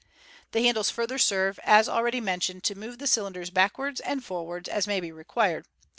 The handles further serve, as already mentioned, to move the cylin ders backwards and forwards as may be required.